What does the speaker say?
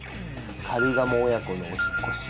「カルガモ親子のお引っ越し」。